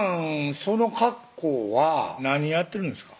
その格好は何やってるんですか？